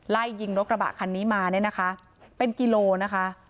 ไล่ยิงรถกระบะคันนี้มาเนี่ยนะคะเป็นกิโลนะคะ